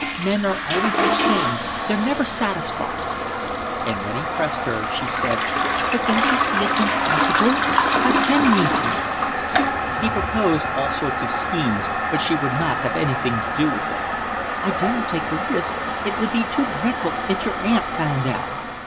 Men are always the same. They're never satisfied." And when he pressed her, she said: "But don't you see it's impossible. How can we here?" He proposed all sorts of schemes, but she would not have anything to do with them. "I daren't take the risk. It would be too dreadful if your aunt found out."